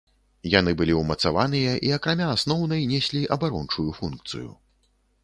Яны былі ўмацаваныя і акрамя асноўнай неслі абарончую функцыю.